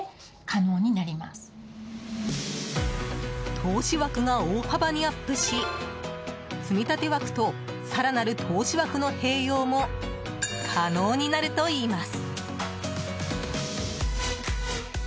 投資枠が大幅にアップしつみたて枠と更なる投資枠の併用も可能になるといいます。